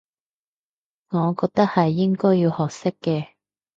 我覺得係應該要學識嘅